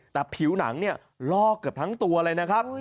แต่ผิวหนังเนี่ยลอกเกือบทั้งตัวเลยนะครับ